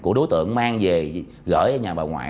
của đối tượng mang về gửi ở nhà bà ngoại